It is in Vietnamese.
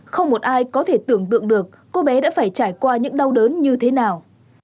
không một ai có thể tưởng tượng được cô bé đã phải trải qua những đau đớn như thế nào